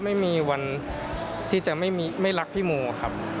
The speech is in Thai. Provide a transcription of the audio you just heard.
ไม่มีวันที่จะไม่รักพี่โมครับ